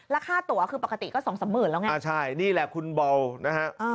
ราคาตัวคือปกติก็๒๓หมื่นแล้วไงอ่ะใช่นี่แหละคุณบอลนะฮะ